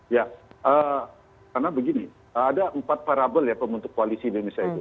ya karena begini ada empat parabel ya pembentuk koalisi indonesia itu